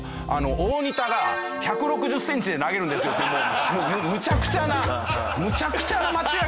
「大仁田が１６０センチで投げるんです」って言ってもうむちゃくちゃなむちゃくちゃな間違いを。